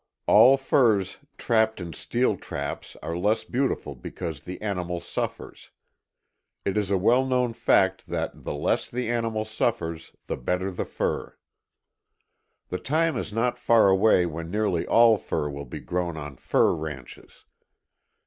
All furs trapped in steel traps are less beautiful because the animal suffers. It is a well known fact that the less the animal suffers, the better the fur. The time is not far away when nearly all fur will be grown on fur ranches.